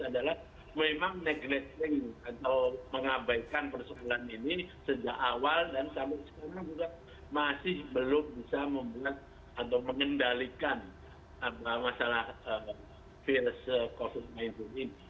adalah memang neglating atau mengabaikan persoalan ini sejak awal dan sampai sekarang juga masih belum bisa membuat atau mengendalikan masalah virus covid sembilan belas ini